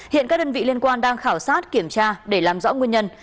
hiện các đơn vị liên quan đang khảo sát kiểm tra để làm rõ nguyên nhân